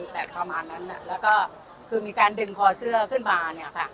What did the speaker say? แบบประมาณนั้นแล้วก็คือมีการดึงคอเสื้อขึ้นมาเนี่ยค่ะ